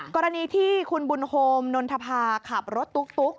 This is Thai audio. กรณีที่คุณบุญโฮมนนทภาขับรถตุ๊ก